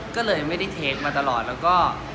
ก็เลยไม่ได้เทคมาตลอดแล้วก็